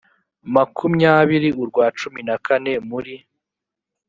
makumyabiri urwa cumi na kane muri